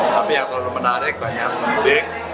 tapi yang selalu menarik banyak mudik